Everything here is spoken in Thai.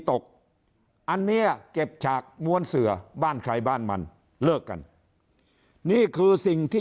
ตกอันเนี้ยเก็บฉากม้วนเสือบ้านใครบ้านมันเลิกกันนี่คือสิ่งที่